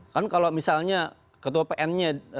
kan kalau misalnya ketua pn nya